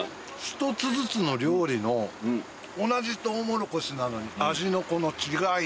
一つずつの料理の同じトウモロコシなのに味のこの違い。